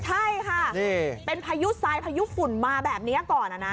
ใช่ค่ะเป็นพายุทรายพายุฝุ่นมาแบบนี้ก่อนนะ